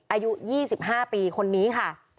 อายุ๒๕ปีคนนี้ค่ะ